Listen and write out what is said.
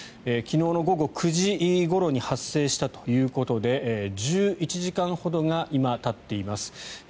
昨日の午後９時ごろに発生したということで１１時間ほどが今たっています。